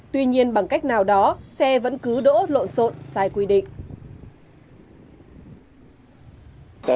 tuy nhiên bằng cách nào đó xe vẫn cứ đỗ lộ xộn sai quy định